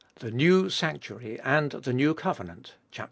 The New Sanctuary and the New Covenant (viii.).